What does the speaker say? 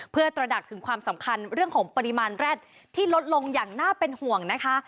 เพื่อตระหนักถึงความสำคัญเรื่องของปริมาณแร็ดที่ลดลงอย่างน่าเป็นห่วงนะคะ